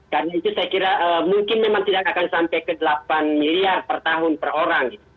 karena itu saya kira mungkin memang tidak akan sampai ke delapan miliar per tahun per orang